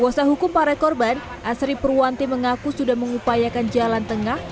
kuasa hukum para korban asri purwanti mengaku sudah mengupayakan jalan tengah